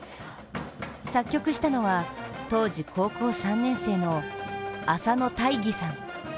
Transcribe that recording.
作曲したのは当時高校３年生の浅野大義さん。